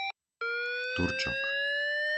Turčok